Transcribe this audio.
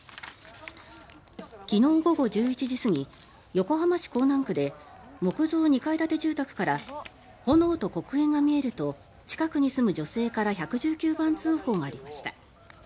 昨日午後１１時過ぎ横浜市港南区で木造２階建て住宅から炎と黒煙が見えると近くに住む女性から１１９番通報がありました。